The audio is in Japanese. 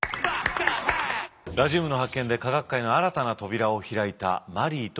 ラジウムの発見で科学界の新たな扉を開いたマリーとピエール。